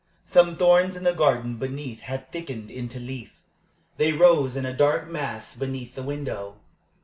Some thorns in the garden beneath had thickened into leaf. They rose in a dark mass beneath the window.